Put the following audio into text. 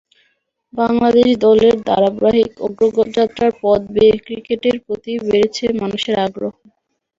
বাংলাদেশ দলের ধারাবাহিক অগ্রযাত্রার পথ বেয়ে ক্রিকেটের প্রতি বেড়েছে মানুষের আগ্রহ।